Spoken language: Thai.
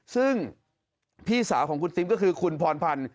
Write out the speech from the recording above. ซึ่งพี่สาวของคุณติ๊มก็คือคุณพรพันธ์